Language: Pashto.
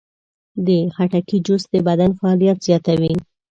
د خټکي جوس د بدن فعالیت زیاتوي.